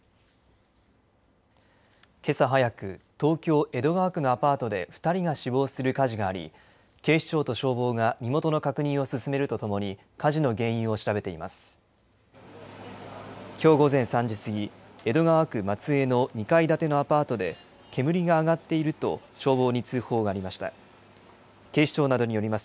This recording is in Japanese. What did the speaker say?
けさ早く、東京・江戸川区のアパートで２人が死亡する火事があり、警視庁と消防が身元の確認を進めるとともに、火事の原因を調べています。